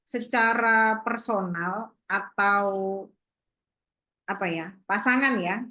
secara personal atau pasangan ya